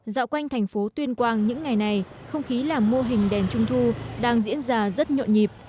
dạo quanh thành phố tuyên quang những ngày này không khí làm mô hình đèn trung thu đang diễn ra rất nhộn nhịp